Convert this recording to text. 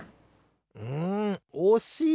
うんおしい！